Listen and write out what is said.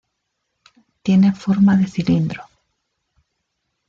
Tiene forma de cilindro.